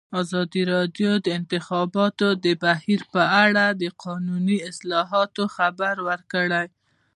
ازادي راډیو د د انتخاباتو بهیر په اړه د قانوني اصلاحاتو خبر ورکړی.